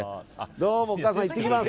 どうもお母さん、行ってきます！